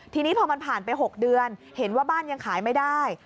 ทีนี้พอมันผ่านไป๖เดือนเห็นว่าบ้านยังขายไม่ได้